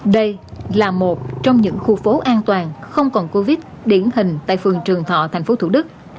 đây là một trong những khu phố an toàn không còn covid điển hình tại phường trường thọ thành phố thủ đức